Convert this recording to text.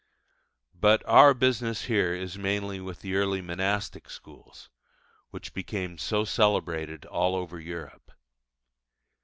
But our business here is mainly with the early monastic schools, which became so celebrated all over Europe.